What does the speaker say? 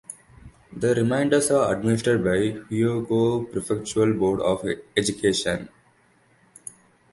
The remainder are administered by the Hyogo Prefectural Board of Education.